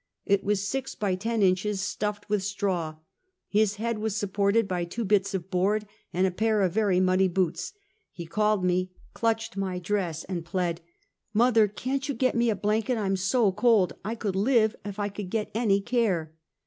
It was six by ten inches, stuffed with straw. His head was supported by two bits of board and a pair of very muddy boots. He called me, clutched my dress, and plead: " Mother, can't you get me a blanket, I'm so cold; I could live if I could get any care!"